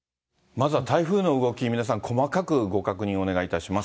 まずは台風の動き、皆さん、細かくご確認お願いいたします。